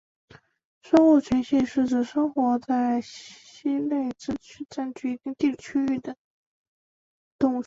生物群系是指生活在类似栖息地和占据一定地理地区的动物群和植物群。